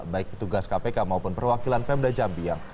baik petugas kpk maupun perwakilan pemda jambi yang